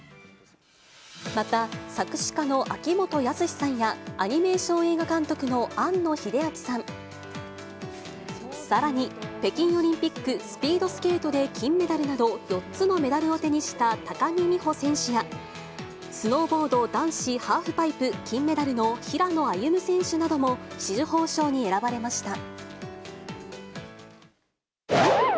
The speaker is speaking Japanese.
また、作詞家の秋元康さんや、アニメーション・映画監督の庵野秀明さん、さらに北京オリンピック、スピードスケートで金メダルなど、４つのメダルを手にした高木美帆選手や、スノーボード男子ハーフパイプ金メダルの平野歩夢選手なども紫綬褒章に選ばれました。